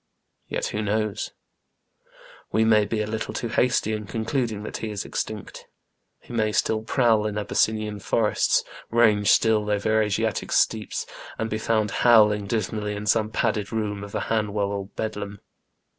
Yet who knows ! We may be a little too hasty in concluding that he is extinct. He may still prowl in Abyssinian forests, range still over Asiatic steppes, and be found howling dismally in some padded room of a Hanwell or a Bedlam.